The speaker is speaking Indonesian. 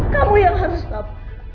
kamu yang harus stop